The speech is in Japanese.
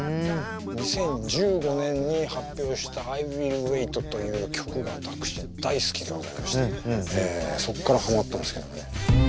２０１５年に発表した「ＩＷｉｌｌＷａｉｔ」という曲が私大好きでございましてそこからハマったんですけどもね。